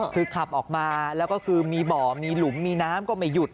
คือขับออกมาแล้วก็คือมีหมวดหมู่มีหนำมีลุมก็ไม่หยุด